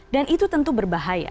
dan itu tentu berbahaya